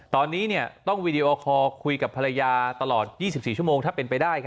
ตอนนี้ต้องวีดีโอคอร์คุยกับภรรยาตลอด๒๔ชั่วโมงถ้าเป็นไปได้